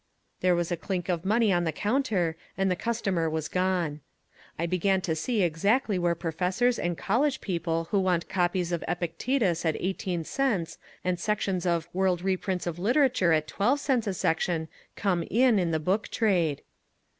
There was a clink of money on the counter, and the customer was gone. I began to see exactly where professors and college people who want copies of Epictetus at 18 cents and sections of World Reprints of Literature at 12 cents a section come in, in the book trade.